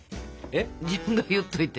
自分が言っといて。